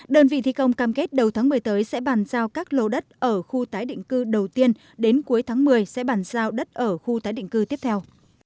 đơn vị thi công cam kết đầu tháng một mươi tới sẽ bàn giao các lô đất ở khu tái định cư đầu tiên đến cuối tháng một mươi sẽ bàn giao đất ở khu tái định cư tiếp theo